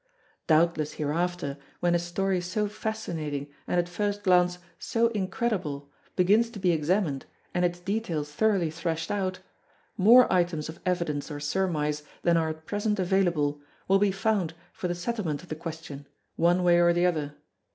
Doubtless hereafter, when a story so fascinating and at first glance so incredible begins to be examined and its details thoroughly threshed out, more items of evidence or surmise than are at present available will be found for the settlement of the question, one way or the other.